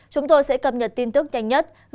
chúng tôi sẽ cập nhật tin tức nhanh nhất